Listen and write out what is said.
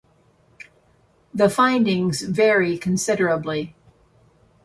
The findings vary considerably.